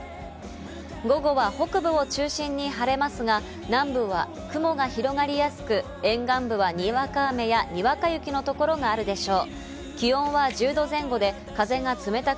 午後は北部を中心に晴れますが、南部は雲が広がりやすく、沿岸部はにわか雨や、にわか雪の所があるでしょう。